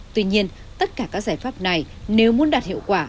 tuy nhiên tất cả các giải pháp này nếu muốn đạt hiệu quả